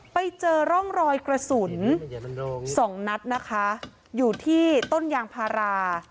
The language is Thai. ไปเจอร่องรอยกระสุนสองนัดนะคะอยู่ที่ต้นยางพารา